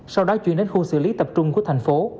sau đó chuyển đến khu xử lý tập trung của thành phố